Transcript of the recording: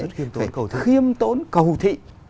khiêm tốn cầu thị